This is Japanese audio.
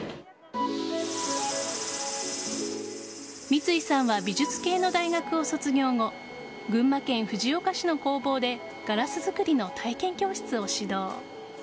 三ツ井さんは美術系の大学を卒業後群馬県藤岡市の工房でガラス作りの体験教室を指導。